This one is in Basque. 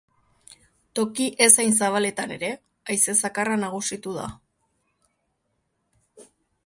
Toki ez hain zabaletan ere haize zakarra nagusitu da.